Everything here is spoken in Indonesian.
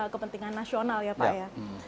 kepentingan nasional ya pak ya